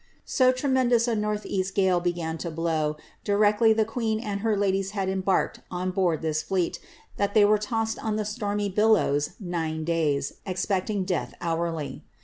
So tremendous a north east gale began to blow directly the queen and ^ her ladies had embarked on board this fleet, that they were tossed ob < the stormy billows nine davs, expecting death hourly.